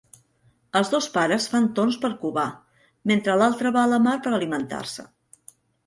Els dos pares fan torns per covar, mentre l'altre va a la mar per alimentar-se.